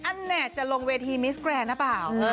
นั่นแหละจะลงเวทีมิสแกรนด์หรือเปล่า